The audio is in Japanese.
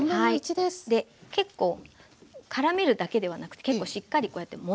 結構からめるだけではなくて結構しっかりこうやってもんで下さい。